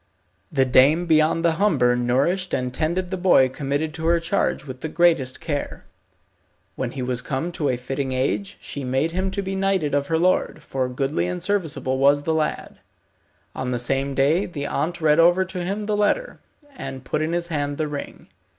The dame beyond the Humber nourished and tended the boy committed to her charge with the greatest care. When he was come to a fitting age she made him to be knighted of her lord, for goodly and serviceable was the lad. On the same day the aunt read over to him the letter, and put in his hand the ring.